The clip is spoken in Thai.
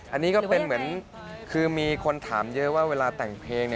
อันนี้ก็เป็นเหมือนคือมีคนถามเยอะว่าเวลาแต่งเพลง